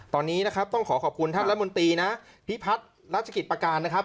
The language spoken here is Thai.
ตอนนี้นะครับต้องขอขอบคุณท่านรัฐมนตรีนะพิพัฒน์รัชกิจประการนะครับ